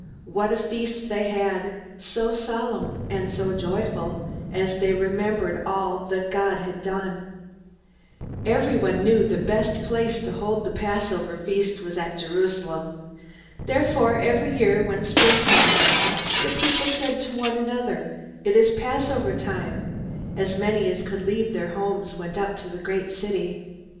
What a feast they had, so solemn and so joyful, as they remembered all that God had done! Everyone knew the best place to hold the Passover feast was at Jerusalem. Therefore, every year, when spring came round, the people said to one another, "It is Passover time," and as many as could leave their homes went up to the great city.